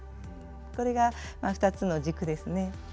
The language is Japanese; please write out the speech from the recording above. これが２つの軸ですね。